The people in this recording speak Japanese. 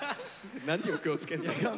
何を気をつけるんだよ。